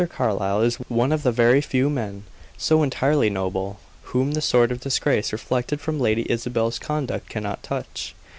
Carlyle is one of the very few men, so entirely noble, whom the sort of disgrace reflected from Lady Isabel's conduct cannot touch."